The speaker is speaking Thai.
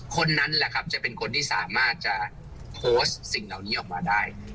คนนั้นแหละครับจะเป็นคนที่สามารถจะโพสต์สิ่งเหล่านี้ออกมาได้